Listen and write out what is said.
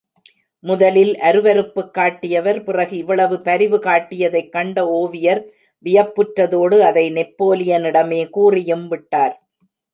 முதலில் அருவருப்புக் காட்டியவர், பிறகு இவ்வளவு பரிவு காட்டியதைக் கண்ட ஒவியர் வியப்புற்றதோடு அதை நெப்போலியனிடமே கூறியும் விட்டார்.